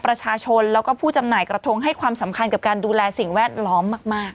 ประชาชนแล้วก็ผู้จำหน่ายกระทงให้ความสำคัญกับการดูแลสิ่งแวดล้อมมาก